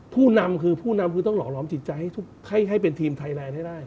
ผู้นำคือต้องหลอมจิตใจให้ทุกคนให้เป็นทีมไทยแลนด์ให้ได้